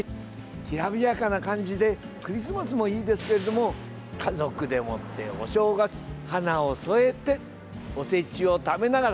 きらびやかな感じでクリスマスもいいですけれども家族でもって、お正月花を添えて、おせちを食べながら。